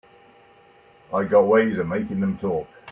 I got ways of making them talk.